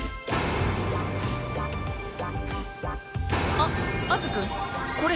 アアズくんこれ。